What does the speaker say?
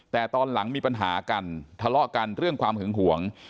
แต่ตอนหลังมีปัญหากันทะเลาะกันเรื่องความหึงหวง